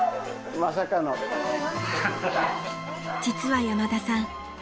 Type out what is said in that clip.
［実は山田さん］